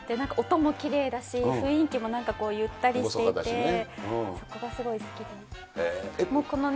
音もきれいだし、雰囲気もなんかこう、ゆったりしていて、そこがすごいすてきでした。